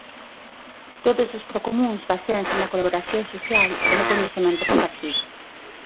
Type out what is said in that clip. Todos os procomúns baséanse na colaboración social e no coñecemento compartido.